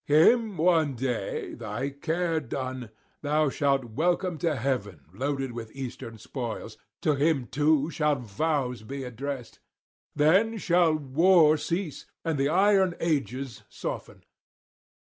Him one day, thy care done, thou shalt welcome to heaven loaded [290 321]with Eastern spoils; to him too shall vows be addressed. Then shall war cease, and the iron ages soften.